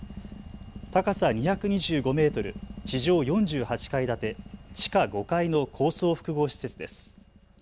高さ２２５メートル、地上４８階建て地下５階の高層複合施設です。